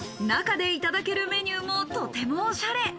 中でいただけるメニューも、とてもおしゃれ。